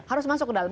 harus masuk ke dalam